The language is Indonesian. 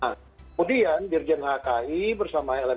nah kemudian dirjen hki bersama lmkn bertemu dengan pak maulana